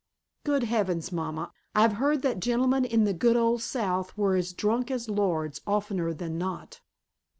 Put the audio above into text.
"Good heavens, mamma, I've heard that gentlemen in the good old South were as drunk as lords, oftener than not."